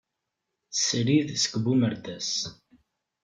Srid seg Bumerdas.